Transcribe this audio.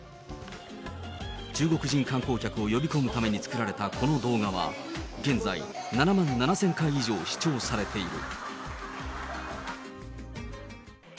中国人観光客を呼び込むために作られたこの動画は、現在７万７０００回以上視聴されている。